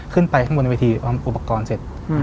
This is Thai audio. ขึ้นไปข้างบนในเวทีอุปกรณ์เสร็จ